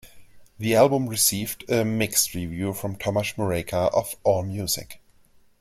The album received a mixed review from Tomas Mureika of "Allmusic".